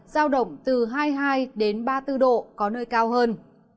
giao động từ hai mươi hai ba mươi bốn độ có nơi cao hơn